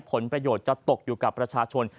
ผลประโยชน์จะตกอยู่กับประชาชน